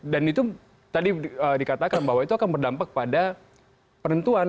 dan itu tadi dikatakan bahwa itu akan berdampak pada perentuan